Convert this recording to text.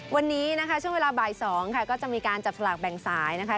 วันนี้นะคะช่วงเวลาบ่าย๒ค่ะก็จะมีการจับสลากแบ่งสายนะคะ